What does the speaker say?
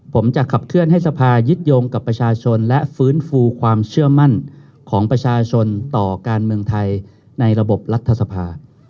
ผมจะขับเคลื่อนให้สภายึดโยงกับประชาชนและฟื้นฟูความเชื่อมั่นของประชาชนต่อการเมืองไทยในระบบรัฐสภา